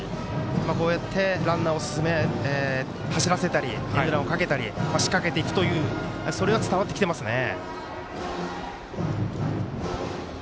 こうやって、ランナーを走らせたりエンドランをかけたり仕掛けていくというそれが伝わってきてますね。